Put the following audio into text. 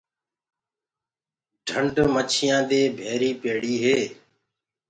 ڍنڊ مڇيآنٚ دي ڀيري پيڙي هي۔